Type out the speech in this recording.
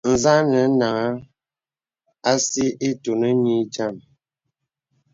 Zà ànə nāŋhàŋ àsī itūn nï dīəm.